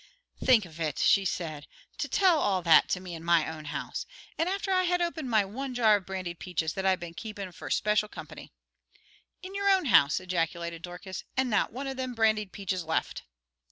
"Think of it!" she said. "To tell all that to me, in my own house! And after I had opened my one jar of brandied peaches, that I'd been keepin' for special company!" "In your own house!" ejaculated Dorcas. "And not one of them brandied peaches left!"